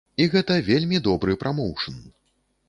І гэта вельмі добры прамоўшн.